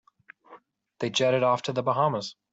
They jetted off to the Bahamas.